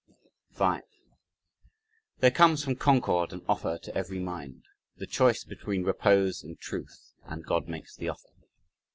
5 There comes from Concord, an offer to every mind the choice between repose and truth, and God makes the offer.